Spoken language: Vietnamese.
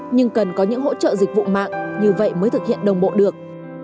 nhưng cần có những hỗ trợ dịch vụ mạng như vậy mới thực hiện đồng bộ được